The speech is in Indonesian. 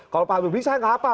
kalau pak habib bisa ya nggak apa